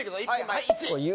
はい１２